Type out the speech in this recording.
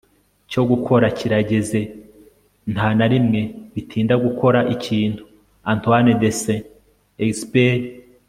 cyo gukora kirageze. nta na rimwe bitinda gukora ikintu. - antoine de saint-exupery